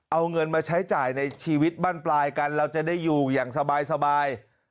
เอาเงินมาใช้จ่ายในชีวิตบ้านปลายกันเราจะได้อยู่อย่างสบาย